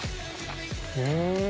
うん！